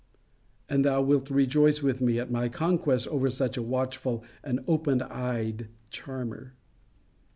And thou wilt rejoice with me at my conquest over such a watchful and open eyed charmer.